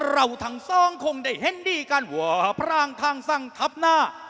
เราทั้งสองคงได้เห็นดีกันว่าพร่างข้างทับหน้า